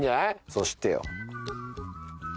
そしてよ